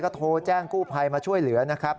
ก็โทรแจ้งกู้ภัยมาช่วยเหลือนะครับ